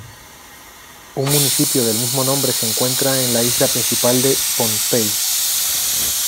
Un municipio del mismo nombre se encuentra en la isla principal de Pohnpei.